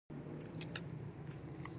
ایا سګرټ څکول سږو ته زیان رسوي